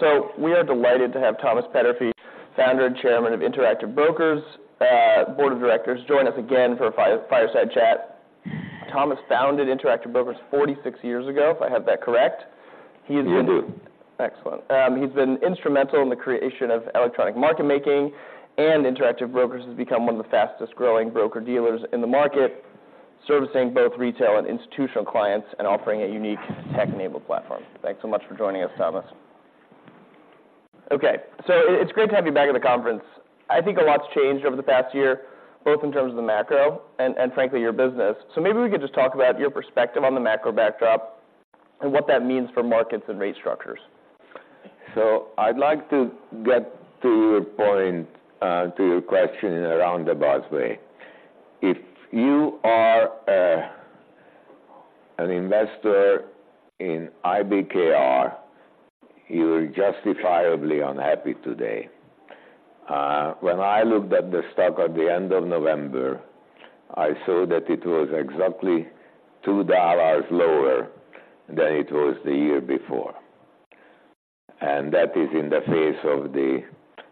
So we are delighted to have Thomas Peterffy, Founder and Chairman of Interactive Brokers Board of Directors, join us again for a fireside chat. Thomas founded Interactive Brokers 46 years ago, if I have that correct. He's been- You do. Excellent. He's been instrumental in the creation of electronic market making, and Interactive Brokers has become one of the fastest-growing broker-dealers in the market, servicing both retail and institutional clients and offering a unique tech-enabled platform. Thanks so much for joining us, Thomas. Okay, so it's great to have you back at the conference. I think a lot's changed over the past year, both in terms of the macro and frankly, your business. So maybe we could just talk about your perspective on the macro backdrop and what that means for markets and rate structures. So I'd like to get to your point, to your question in a roundabout way. If you are an investor in IBKR, you're justifiably unhappy today. When I looked at the stock at the end of November, I saw that it was exactly $2 lower than it was the year before, and that is in the face of the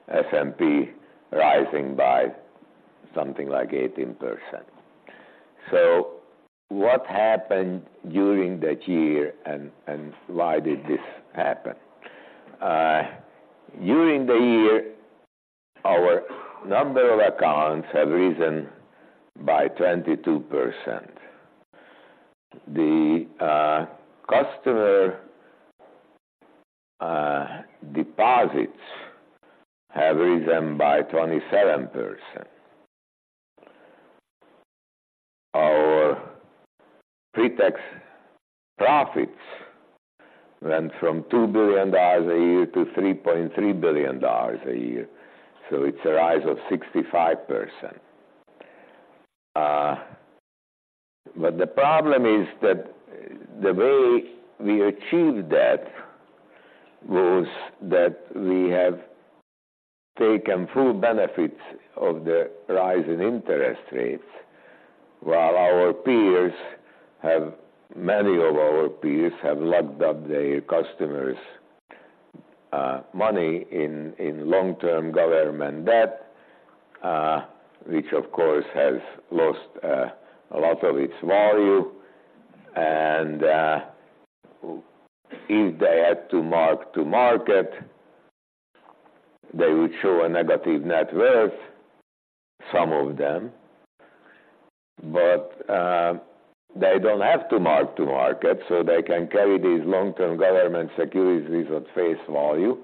S&P rising by something like 18%. So what happened during that year and why did this happen? During the year, our number of accounts have risen by 22%. The customer deposits have risen by 27%. Our pre-tax profits went from $2 billion a year to $3.3 billion a year, so it's a rise of 65%. But the problem is that the way we achieved that was that we have taken full benefits of the rise in interest rates, while our peers have many of our peers have locked up their customers' money in long-term government debt, which of course has lost a lot of its value. And if they had to mark to market, they would show a negative net worth, some of them. But they don't have to mark to market, so they can carry these long-term government securities at face value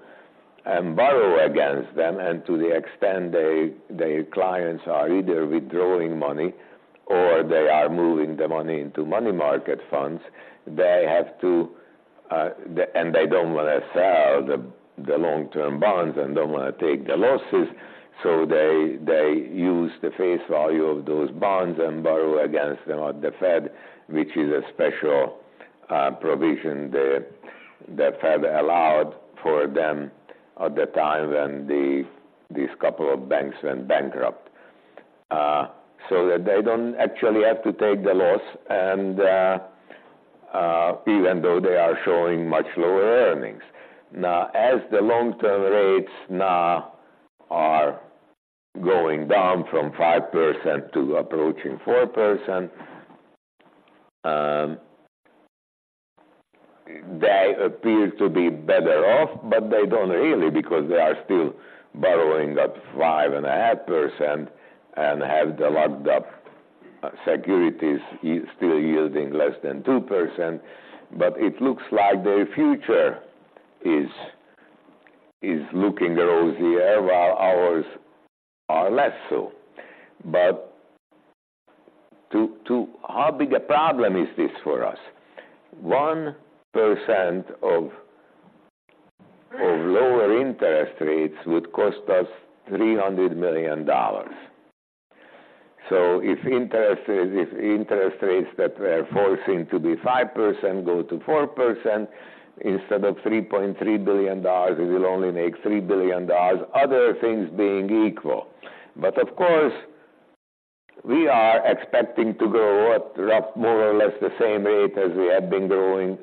and borrow against them. And to the extent their clients are either withdrawing money or they are moving the money into money market funds, they have to and they don't wanna sell the long-term bonds and don't wanna take the losses, so they use the face value of those bonds and borrow against them at the Fed, which is a special provision the Fed allowed for them at the time when these couple of banks went bankrupt. So they don't actually have to take the loss and even though they are showing much lower earnings. Now, as the long-term rates now are going down from 5% to approaching 4%, they appear to be better off, but they don't really, because they are still borrowing at 5.5% and have the locked-up securities still yielding less than 2%. But it looks like their future is looking rosier, while ours are less so. But to how big a problem is this for us? 1% of lower interest rates would cost us $300 million. So if interest rates that were forcing to be 5% go to 4%, instead of $3.3 billion, we will only make $3 billion, other things being equal. But of course, we are expecting to grow at roughly more or less the same rate as we have been growing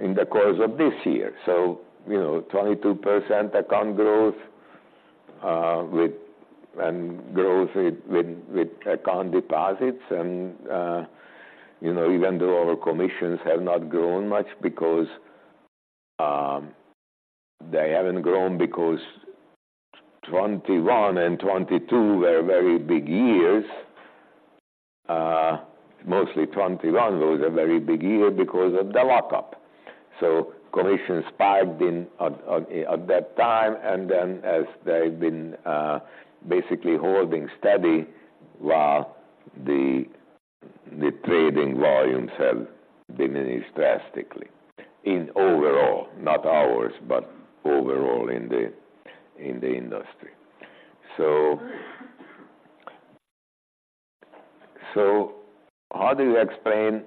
in the course of this year. So, you know, 22% account growth, with... And growth with account deposits. And, you know, even though our commissions have not grown much because they haven't grown because 2021 and 2022 were very big years. Mostly 2021 was a very big year because of the lockup. So commissions spiked in at that time, and then as they've been basically holding steady, while the trading volumes have diminished drastically overall, not ours, but overall in the industry. So, how do you explain.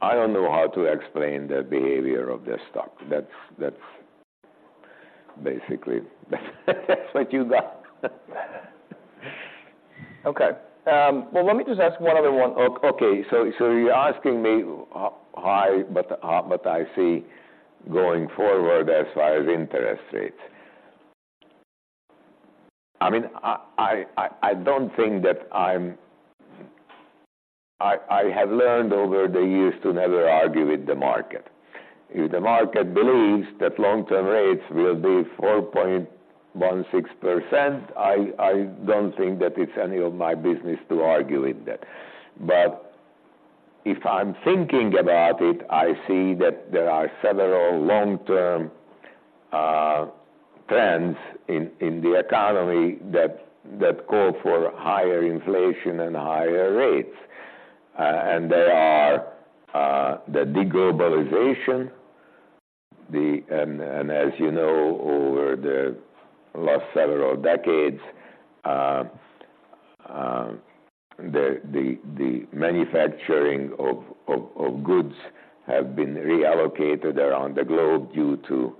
I don't know how to explain the behavior of the stock. That's basically what you got. Okay, well, let me just ask one other one. Okay, so you're asking me what I see going forward as far as interest rates? I mean, I don't think that. I have learned over the years to never argue with the market. If the market believes that long-term rates will be 4.16%, I don't think that it's any of my business to argue with that. But if I'm thinking about it, I see that there are several long-term trends in the economy that call for higher inflation and higher rates. And there are the de-globalization, the... As you know, over the last several decades, the manufacturing of goods have been reallocated around the globe due to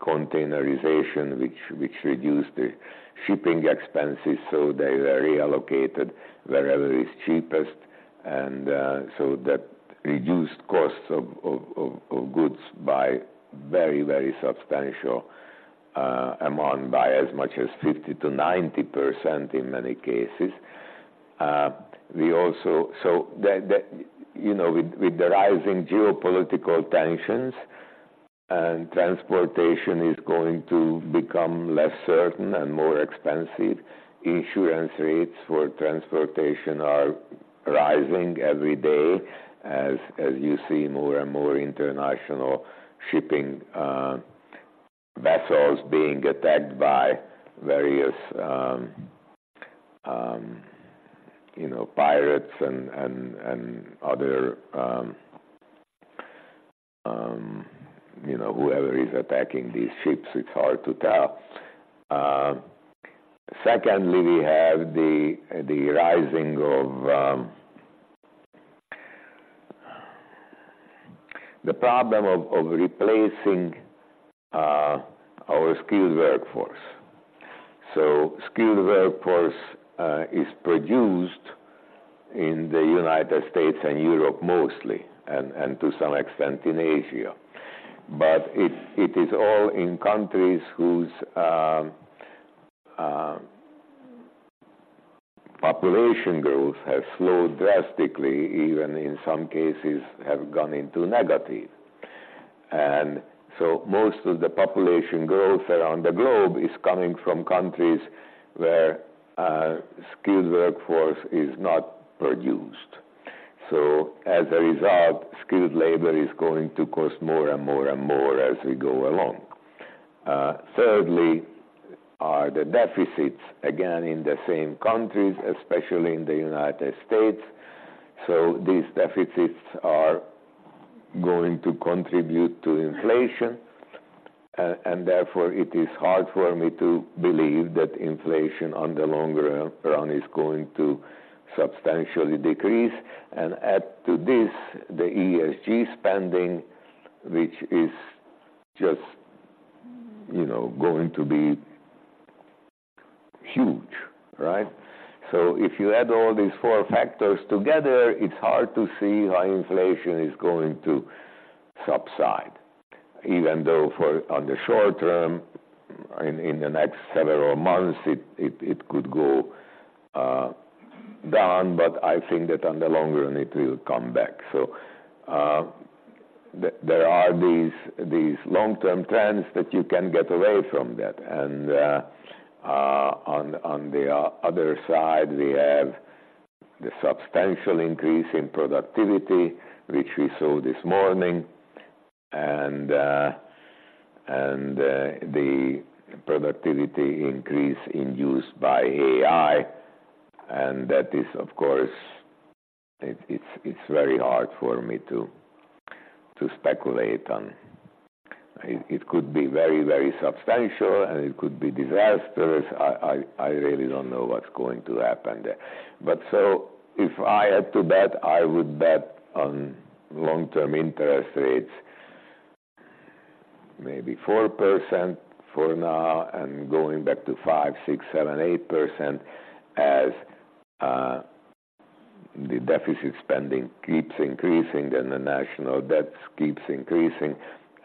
containerization, which reduced the shipping expenses, so they were reallocated wherever is cheapest. So that reduced costs of goods by very substantial amount, by as much as 50%-90% in many cases. You know, with the rising geopolitical tensions and transportation is going to become less certain and more expensive, insurance rates for transportation are rising every day, as you see more and more international shipping vessels being attacked by various, you know, pirates and other, you know, whoever is attacking these ships, it's hard to tell. Secondly, we have the rising of the problem of replacing our skilled workforce. Skilled workforce is produced in the United States and Europe mostly, and to some extent in Asia. But it is all in countries whose population growth has slowed drastically, even in some cases have gone into negative. So most of the population growth around the globe is coming from countries where skilled workforce is not produced. So as a result, skilled labor is going to cost more and more and more as we go along. Thirdly, are the deficits, again, in the same countries, especially in the United States. So these deficits are going to contribute to inflation, and therefore, it is hard for me to believe that inflation on the longer run is going to substantially decrease. Add to this, the ESG spending, which is just, you know, going to be huge, right? So if you add all these four factors together, it's hard to see how inflation is going to subside, even though, for the short term, in the next several months, it could go down, but I think that on the longer run, it will come back. So, there are these long-term trends that you can't get away from that. And, on the other side, we have the substantial increase in productivity, which we saw this morning, and the productivity increase in use by AI, and that is, of course, very hard for me to speculate on. It could be very, very substantial, and it could be disastrous. I really don't know what's going to happen there. But so if I had to bet, I would bet on long-term interest rates, maybe 4% for now, and going back to 5%, 6%, 7%, 8% as the deficit spending keeps increasing, and the national debt keeps increasing,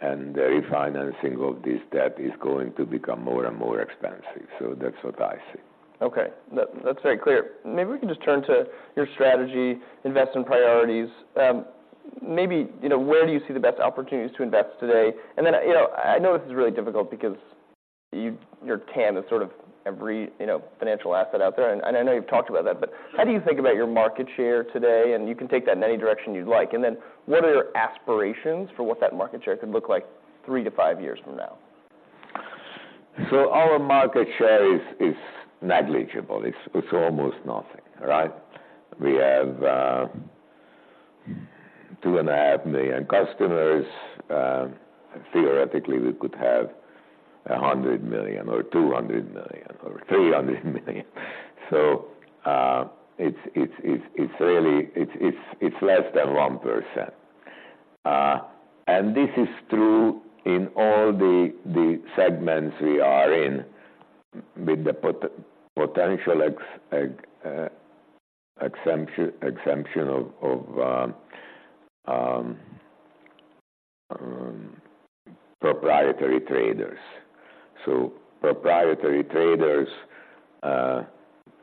and the refinancing of this debt is going to become more and more expensive. So that's what I see. Okay, that, that's very clear. Maybe we can just turn to your strategy, investment priorities. Maybe, you know, where do you see the best opportunities to invest today? And then, you know, I know this is really difficult because you—your TAM is sort of every, you know, financial asset out there, and I know you've talked about that. But how do you think about your market share today? And you can take that in any direction you'd like. And then what are your aspirations for what that market share could look like three to five years from now? So our market share is negligible. It's almost nothing, right? We have 2.5 million customers. Theoretically, we could have 100 million or 200 million or 300 million. So it's really less than 1%.... And this is true in all the segments we are in, with the potential exception of proprietary traders. So proprietary traders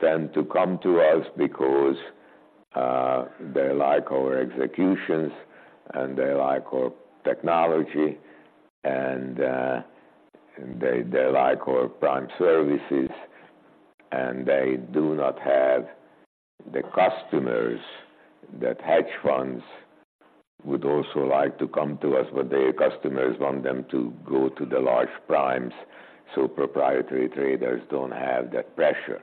tend to come to us because they like our executions, and they like our technology, and they like our prime services, and they do not have the customers that hedge funds would also like to come to us, but their customers want them to go to the large primes, so proprietary traders don't have that pressure.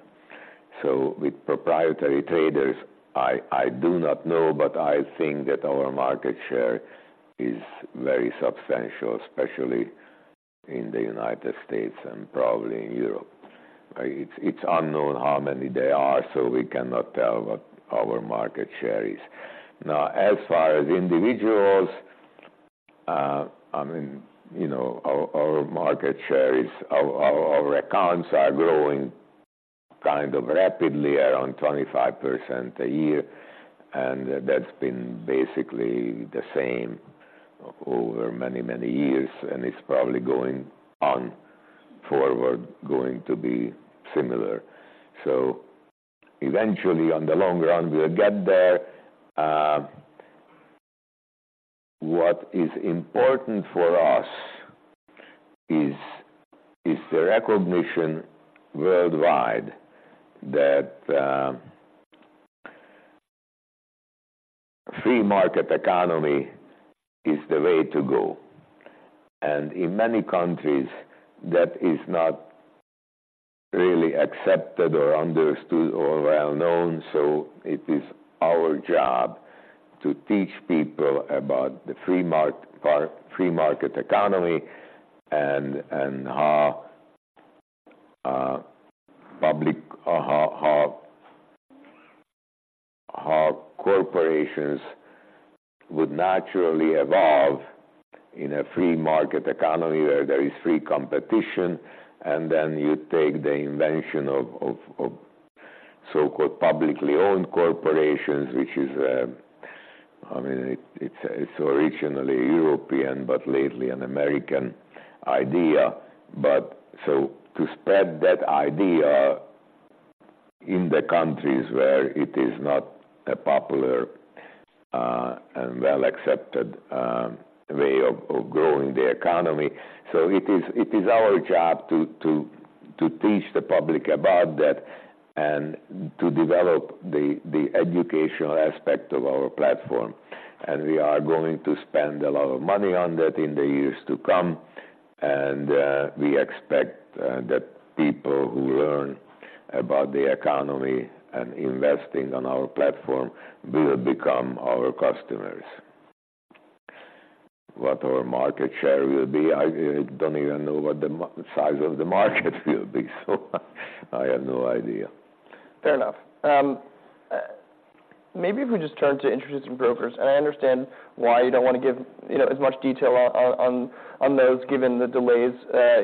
So with proprietary traders, I do not know, but I think that our market share is very substantial, especially in the United States and probably in Europe. It's unknown how many they are, so we cannot tell what our market share is. Now, as far as individuals, I mean, you know, our accounts are growing kind of rapidly, around 25% a year, and that's been basically the same over many, many years, and it's probably going on forward, going to be similar. So eventually, on the long run, we'll get there. What is important for us is the recognition worldwide that free market economy is the way to go. In many countries, that is not really accepted or understood or well known, so it is our job to teach people about the free market economy and how public corporations would naturally evolve in a free market economy where there is free competition, and then you take the invention of so-called publicly owned corporations, which is, I mean, it's originally European, but lately an American idea. But so to spread that idea in the countries where it is not a popular and well-accepted way of growing the economy. So it is our job to teach the public about that and to develop the educational aspect of our platform. And we are going to spend a lot of money on that in the years to come, and we expect that people who learn about the economy and investing on our platform will become our customers. What our market share will be, I don't even know what the size of the market will be, so I have no idea. Fair enough. Maybe if we just turn to introducing brokers, and I understand why you don't want to give, you know, as much detail on those, given the delays,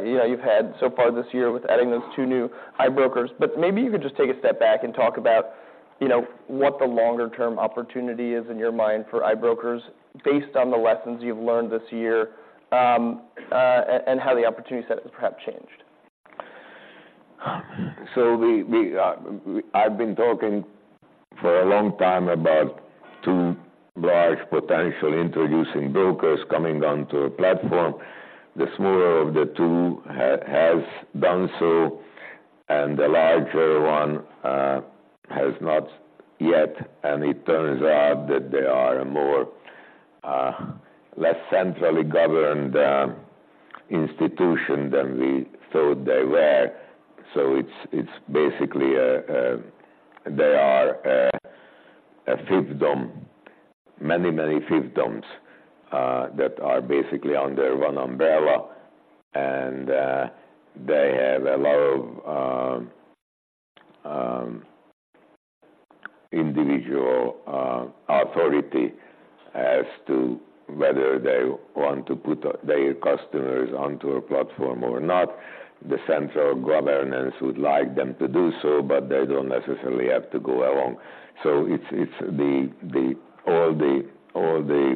you know, you've had so far this year with adding those two new I Brokers. But maybe you could just take a step back and talk about, you know, what the longer-term opportunity is in your mind for I Brokers, based on the lessons you've learned this year, and how the opportunity set has perhaps changed. So I've been talking for a long time about two large potential introducing brokers coming onto a platform. The smaller of the two has done so, and the larger one has not yet, and it turns out that they are a more less centrally governed institution than we thought they were. So it's basically a fiefdom, many fiefdoms that are basically under one umbrella, and they have a lot of individual authority as to whether they want to put their customers onto a platform or not. The central governance would like them to do so, but they don't necessarily have to go along. So it's all the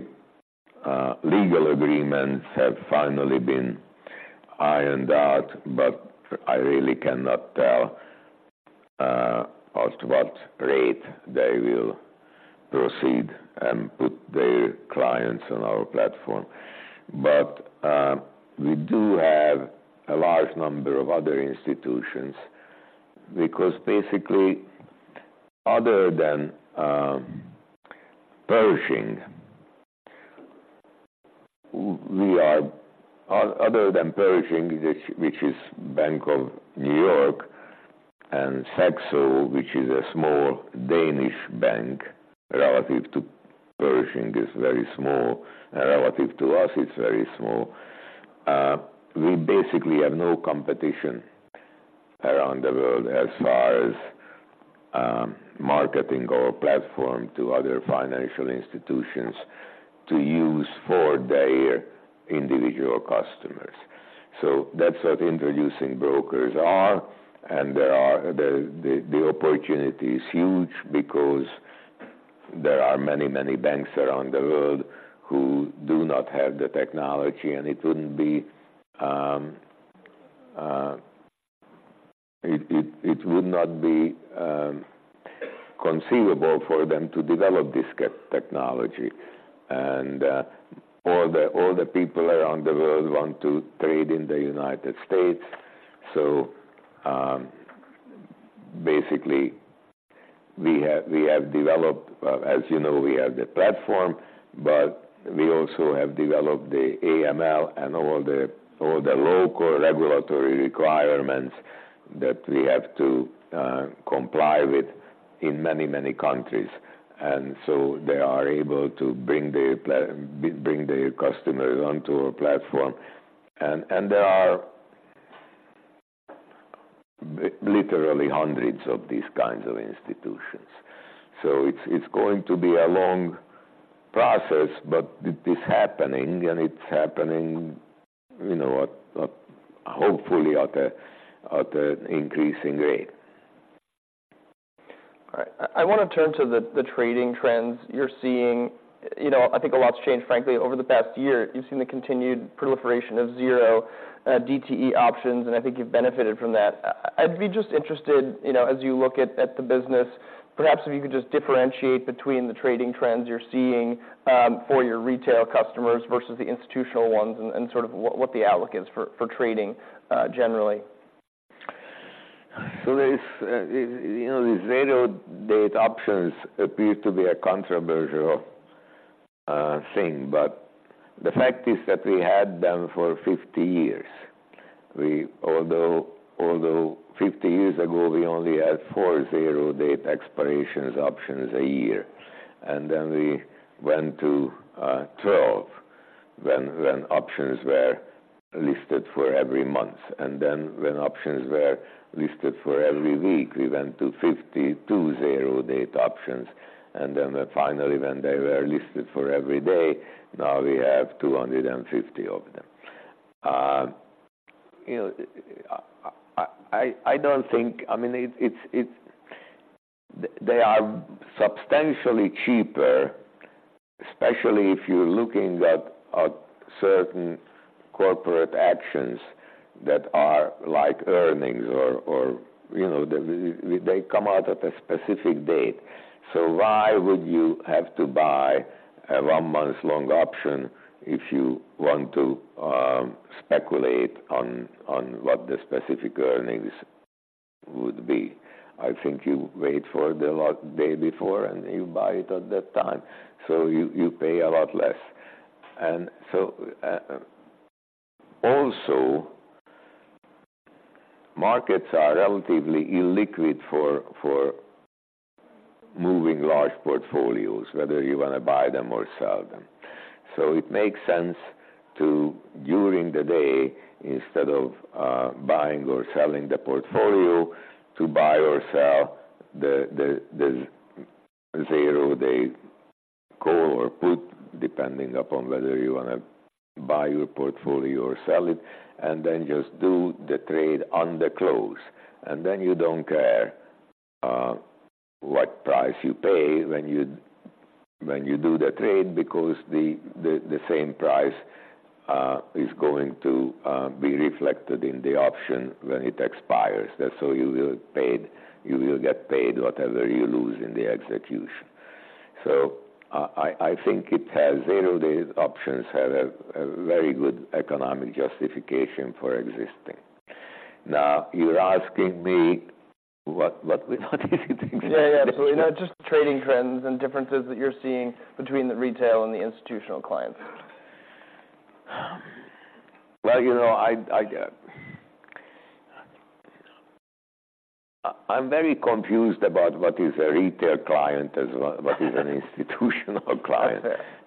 legal agreements have finally been ironed out, but I really cannot tell at what rate they will proceed and put their clients on our platform. But we do have a large number of other institutions, because basically, other than Pershing, which is Bank of New York, and Saxo, which is a small Danish bank, relative to Pershing, is very small, and relative to us, it's very small. We basically have no competition around the world, as far as marketing our platform to other financial institutions to use for their individual customers. So that's what introducing brokers are, and the opportunity is huge because there are many, many banks around the world who do not have the technology, and it wouldn't be It would not be conceivable for them to develop this technology. And all the people around the world want to trade in the United States. So basically, we have developed, as you know, we have the platform, but we also have developed the AML and all the local regulatory requirements that we have to comply with in many, many countries. And so they are able to bring their customers onto our platform. And there are literally hundreds of these kinds of institutions. So it's going to be a long process, but it is happening, and it's happening, you know, hopefully at an increasing rate. All right. I wanna turn to the trading trends you're seeing. You know, I think a lot's changed, frankly, over the past year. You've seen the continued proliferation of 0DTE options, and I think you've benefited from that. I'd be just interested, you know, as you look at the business, perhaps if you could just differentiate between the trading trends you're seeing for your retail customers versus the institutional ones, and sort of what the outlook is for trading generally. So, you know, these zero date options appear to be a controversial thing, but the fact is that we had them for 50 years. Although 50 years ago, we only had four zero date expiration options a year, and then we went to 12 when options were listed for every month. And then, when options were listed for every week, we went to 52 zero date options, and then finally, when they were listed for every day, now we have 250 of them. You know, I don't think... I mean, it's, they are substantially cheaper, especially if you're looking at certain corporate actions that are like earnings or, you know, they come out at a specific date. So why would you have to buy a one-month long option if you want to speculate on what the specific earnings would be? I think you wait for the last day before, and you buy it at that time, so you pay a lot less. And so, also, markets are relatively illiquid for moving large portfolios, whether you wanna buy them or sell them. So it makes sense to, during the day, instead of buying or selling the portfolio, to buy or sell the zero day call or put, depending upon whether you wanna buy your portfolio or sell it, and then just do the trade on the close. And then you don't care what price you pay when you do the trade, because the same price is going to be reflected in the option when it expires. So you will get paid whatever you lose in the execution. So I think it has zero date options have a very good economic justification for existing. Now, you're asking me what is it? Yeah, yeah. So, you know, just trading trends and differences that you're seeing between the retail and the institutional clients. Well, you know, I'm very confused about what is a retail client as well, what is an institutional client.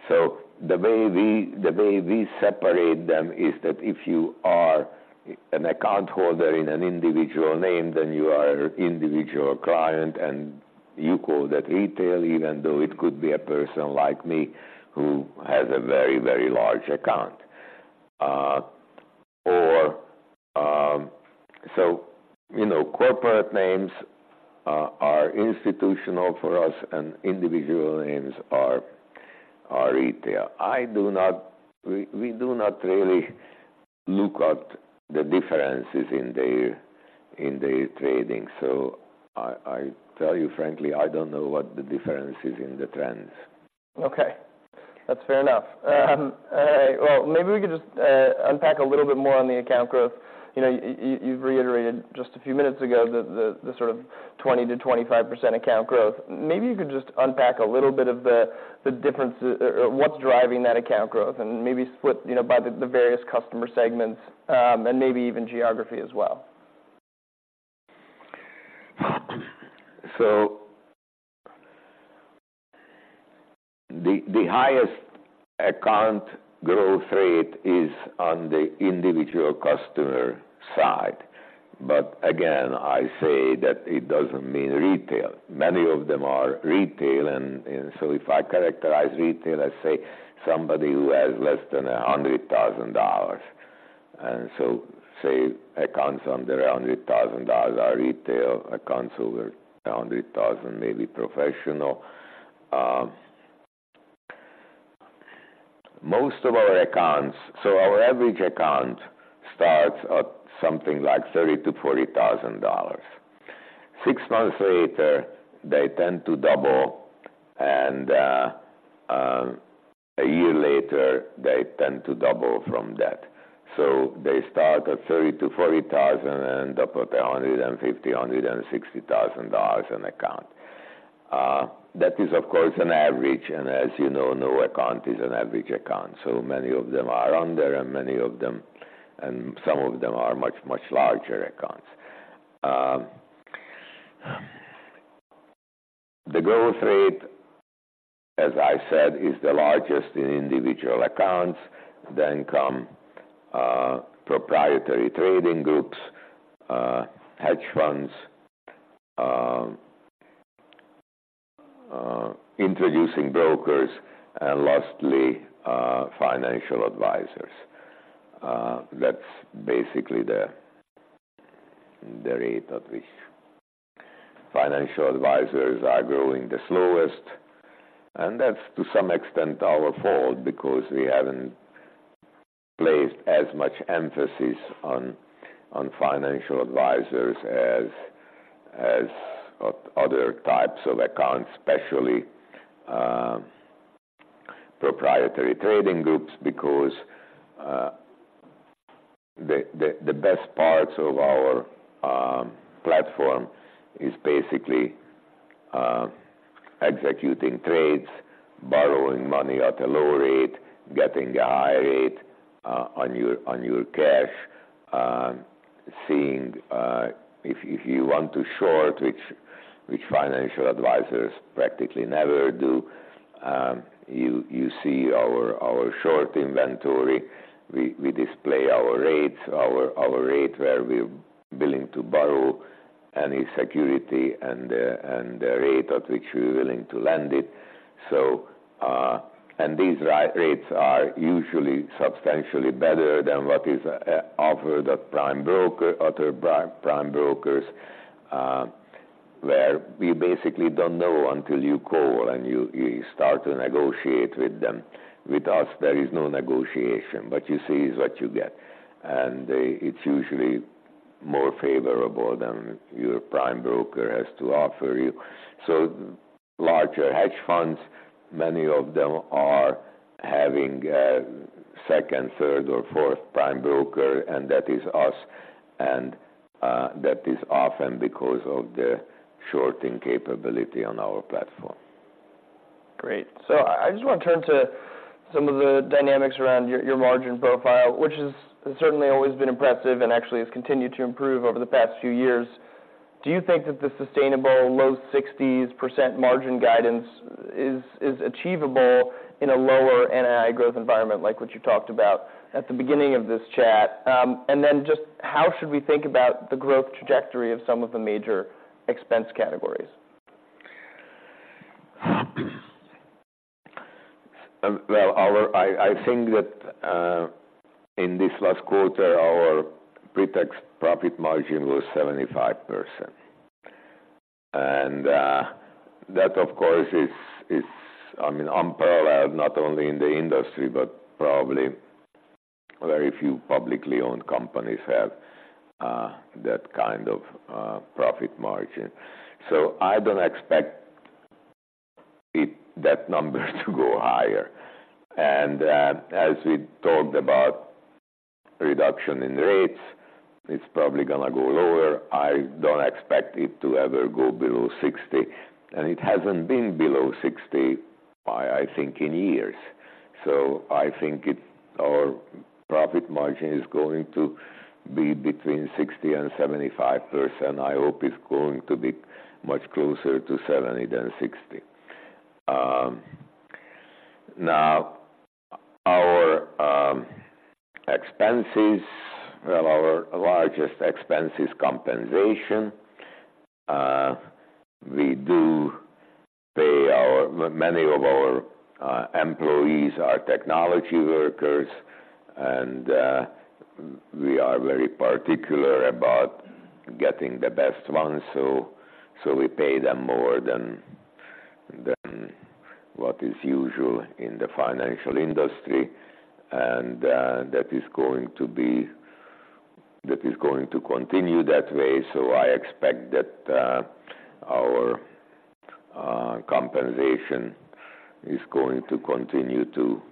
So the way we separate them is that if you are an account holder in an individual name, then you are individual client, and you call that retail, even though it could be a person like me who has a very, very large account. Or, so you know, corporate names are institutional for us, and individual names are retail. We do not really look at the differences in the trading. So I tell you frankly, I don't know what the difference is in the trends. Okay. That's fair enough. All right, well, maybe we could just unpack a little bit more on the account growth. You know, you've reiterated just a few minutes ago the sort of 20%-25% account growth. Maybe you could just unpack a little bit of the differences or what's driving that account growth, and maybe split, you know, by the various customer segments, and maybe even geography as well. The highest account growth rate is on the individual customer side. But again, I say that it doesn't mean retail. Many of them are retail and so if I characterize retail, I say somebody who has less than $100,000. And so say accounts under $100,000 are retail, accounts over $100,000, maybe professional. Most of our accounts. So our average account starts at something like $30,000-$40,000. Six months later, they tend to double, and a year later, they tend to double from that. So they start at $30,000-$40,000 and up to $150,000-$160,000 an account. That is, of course, an average, and as you know, no account is an average account, so many of them are under, and many of them and some of them are much, much larger accounts. The growth rate, as I said, is the largest in individual accounts, then come proprietary trading groups, hedge funds, introducing brokers, and lastly, financial advisors. That's basically the rate at which financial advisors are growing the slowest, and that's to some extent our fault, because we haven't placed as much emphasis on financial advisors as other types of accounts, especially proprietary trading groups. Because the best parts of our platform is basically executing trades, borrowing money at a low rate, getting a high rate on your cash. If you want to short, which financial advisors practically never do, you see our short inventory. We display our rates, our rate where we're willing to borrow any security and the rate at which we're willing to lend it. These rates are usually substantially better than what is offered at other prime brokers, where we basically don't know until you call and you start to negotiate with them. With us, there is no negotiation. What you see is what you get, and it's usually more favorable than your prime broker has to offer you. So larger hedge funds, many of them are having a second, third, or fourth prime broker, and that is us, and that is often because of the shorting capability on our platform. Great. So I just want to turn to some of the dynamics around your, your margin profile, which has certainly always been impressive and actually has continued to improve over the past few years. Do you think that the sustainable low 60s% margin guidance is, is achievable in a lower NII growth environment, like what you talked about at the beginning of this chat? And then just how should we think about the growth trajectory of some of the major expense categories? Well, I think that in this last quarter, our pre-tax profit margin was 75%. And that, of course, is, I mean, unparalleled, not only in the industry, but probably very few publicly owned companies have that kind of profit margin. So I don't expect it, that number to go higher. And as we talked about reduction in rates, it's probably gonna go lower. I don't expect it to ever go below 60%, and it hasn't been below 60%, I think, in years. So I think our profit margin is going to be between 60% and 75%. I hope it's going to be much closer to 70% than 60%. Now, our expenses. Well, our largest expense is compensation. We do pay our... Many of our employees are technology workers, and we are very particular about getting the best ones, so we pay them more than what is usual in the financial industry. And that is going to continue that way, so I expect that our compensation is going to continue to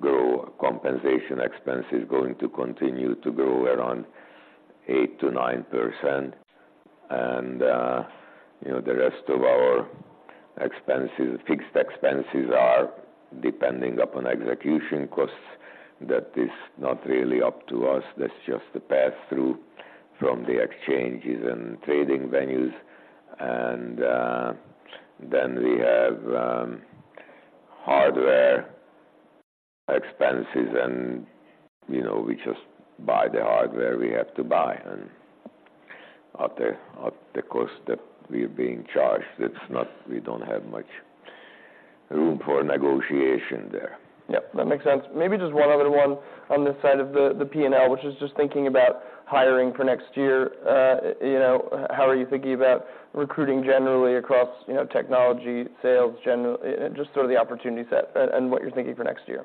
grow. Compensation expense is going to continue to grow around 8%-9%. And, you know, the rest of our expenses, fixed expenses are depending upon execution costs... that is not really up to us. That's just a pass through from the exchanges and trading venues. And then we have hardware expenses and, you know, we just buy the hardware we have to buy, and at the cost that we're being charged, it's not we don't have much room for negotiation there. Yep, that makes sense. Maybe just one other one on this side of the P&L, which is just thinking about hiring for next year. You know, how are you thinking about recruiting generally across, you know, technology, sales, generally, just sort of the opportunity set and what you're thinking for next year?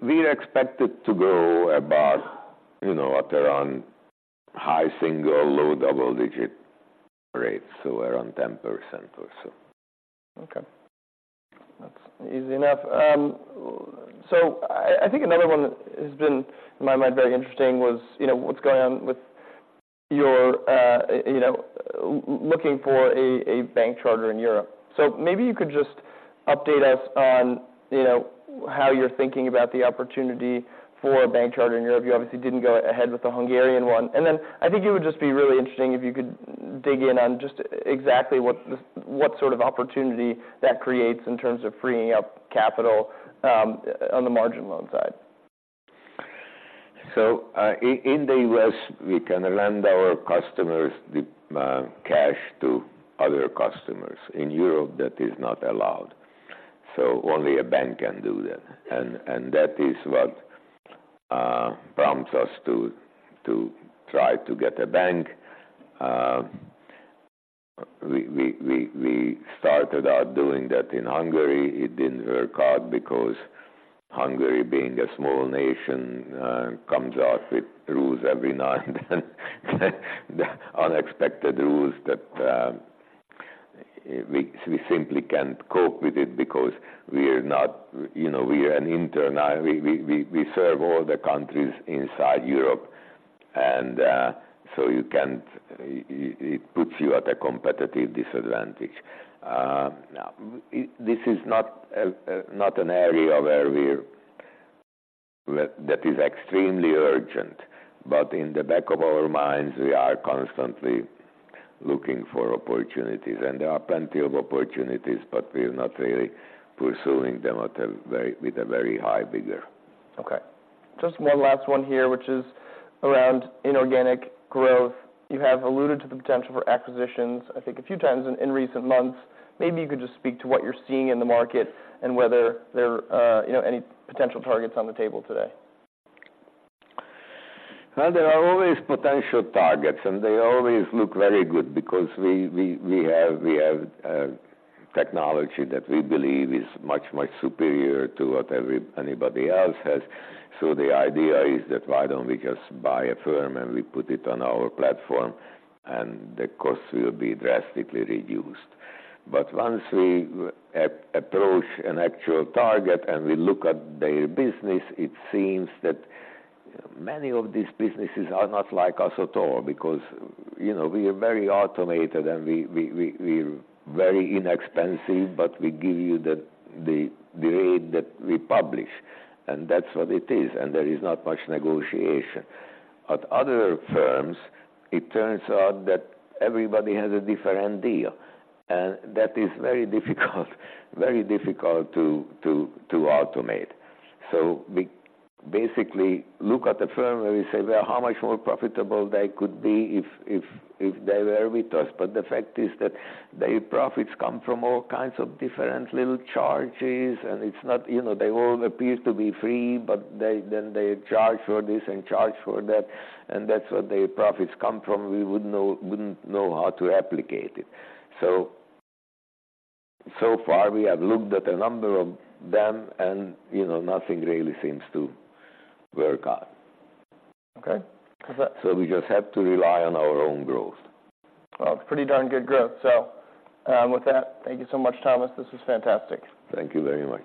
We expect it to go about, you know, at around high single, low double-digit rates, so around 10% or so. Okay. That's easy enough. So I, I think another one that has been, in my mind, very interesting was, you know, what's going on with your, you know, looking for a bank charter in Europe. So maybe you could just update us on, you know, how you're thinking about the opportunity for a bank charter in Europe. You obviously didn't go ahead with the Hungarian one. And then I think it would just be really interesting if you could dig in on just exactly what sort of opportunity that creates in terms of freeing up capital, on the margin loan side. So, in the U.S., we can lend our customers the cash to other customers. In Europe, that is not allowed, so only a bank can do that. And that is what prompts us to try to get a bank. We started out doing that in Hungary. It didn't work out because Hungary, being a small nation, comes out with rules every now and then, unexpected rules that we simply can't cope with it because we're not, you know, we are an internal... We serve all the countries inside Europe, and so you can't... It puts you at a competitive disadvantage. Now, this is not an area that is extremely urgent, but in the back of our minds, we are constantly looking for opportunities, and there are plenty of opportunities, but we're not really pursuing them with a very high vigor. Okay. Just one last one here, which is around inorganic growth. You have alluded to the potential for acquisitions, I think, a few times in recent months. Maybe you could just speak to what you're seeing in the market and whether there are, you know, any potential targets on the table today. Well, there are always potential targets, and they always look very good because we have technology that we believe is much superior to what anybody else has. So the idea is, why don't we just buy a firm, and we put it on our platform, and the cost will be drastically reduced. But once we approach an actual target, and we look at their business, it seems that many of these businesses are not like us at all, because, you know, we are very automated, and we're very inexpensive, but we give you the rate that we publish, and that's what it is, and there is not much negotiation. At other firms, it turns out that everybody has a different deal, and that is very difficult to automate. So we basically look at the firm, and we say, "Well, how much more profitable they could be if they were with us?" But the fact is that their profits come from all kinds of different little charges, and it's not... You know, they all appear to be free, but they, then they charge for this and charge for that, and that's what their profits come from. We wouldn't know how to replicate it. So far, we have looked at a number of them, and, you know, nothing really seems to work out. Okay. We just have to rely on our own growth. Well, pretty darn good growth. So, with that, thank you so much, Thomas. This was fantastic. Thank you very much.